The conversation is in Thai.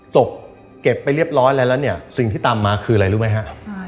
เก็บไปเรียบร้อยแล้วเนี่ยสิ่งที่ตามมาคืออะไรรู้ไหมฮะ